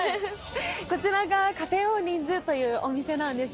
こちらがカフェ・オーリンズというお店なんです。